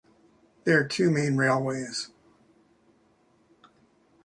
There are two main railways.